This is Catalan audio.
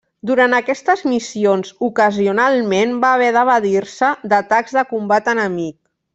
Durant aquestes missions ocasionalment va haver d'evadir-se d'atacs de combat enemic.